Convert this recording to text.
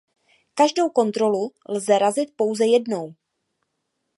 Každou kontrolu lze razit pouze jednou.